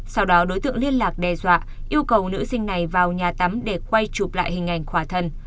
sau đó đối tượng liên lạc đe dọa yêu cầu nữ sinh này vào nhà tắm để quay chụp lại hình ảnh khỏa thân